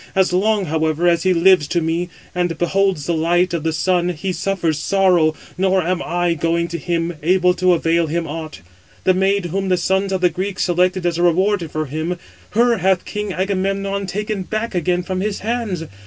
As long, however, as he lives to me, and beholds the light of the sun, he suffers sorrow, nor am I, going to him, able to avail him aught. The maid whom the sons of the Greeks selected as a reward for him, her hath king Agamemnon taken back again from his hands.